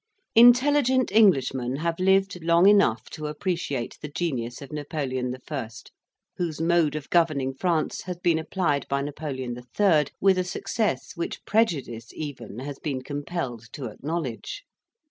Intelligent Englishmen have lived long enough to appreciate the genius of Napoleon I., whose mode of governing France has been applied by Napoleon III. with a success which prejudice even has been compelled to acknowledge.